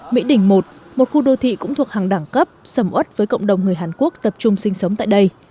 mỹ đỉnh một một khu đô thị cũng thuộc hàng đẳng cấp sầm ớt với cộng đồng người hàn quốc tập trung sinh sống tại đây